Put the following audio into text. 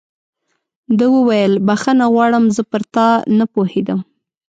ده وویل: بخښنه غواړم، زه پر تا نه پوهېدم.